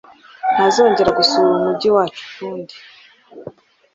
Ntazongera gusura umujyi wacu ukundi.